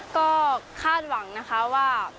ก็คาดหวังว่า